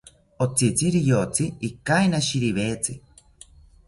Otzitzi riyotzi ikainishiriwetzi